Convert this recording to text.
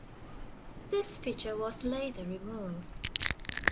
This feature was later removed.